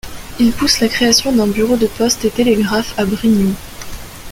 Il pousse la création d'un bureau de poste et télégraphe à Brignoud.